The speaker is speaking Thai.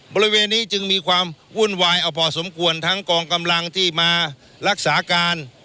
บริเวณนี้จึงมีความวุ่นวายเอาพอสมควรทั้งกองกำลังที่มารักษาการ